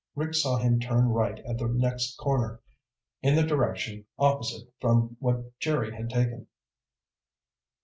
Rick saw him turn right at the next corner, in the direction opposite from that Jerry had taken.